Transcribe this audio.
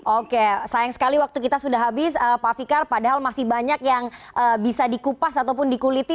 oke sayang sekali waktu kita sudah habis pak fikar padahal masih banyak yang bisa dikupas ataupun dikuliti